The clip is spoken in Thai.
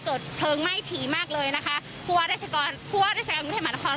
เกิดเพลิงไหม้ถี่มากเลยนะคะเพราะว่าราชการทรุงเทพหานคร